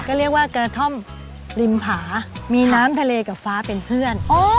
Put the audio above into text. ก็เรียกว่ากระท่อมริมผามีน้ำทะเลกับฟ้าเป็นเพื่อน